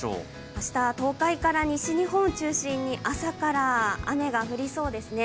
明日は東海から西日本を中心に朝から雨が降りそうですね。